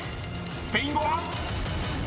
［スペイン語は⁉］